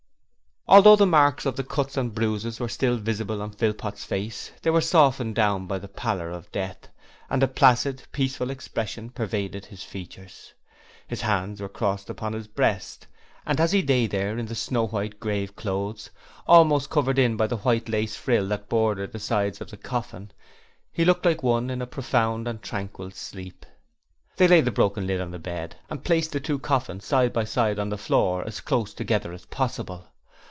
Although the marks of the cuts and bruises were still visible on Philpot's face, they were softened down by the pallor of death, and a placid, peaceful expression pervaded his features. His hands were crossed upon his breast, and as he lay there in the snow white grave clothes, almost covered in by the white lace frill that bordered the sides of the coffin, he looked like one in a profound and tranquil sleep. They laid the broken lid on the bed, and placed the two coffins side by side on the floor as close together as possible.